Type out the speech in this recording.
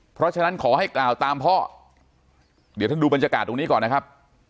เพราะฉะนั้นขอให้กล่าวตามพ่อเดี๋ยวท่านดูบรรยากาศตรงนี้ก่อนนะครับ